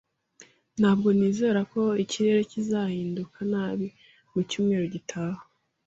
Ntabwo nizera ko ikirere kizahinduka nabi mucyumweru gitaha.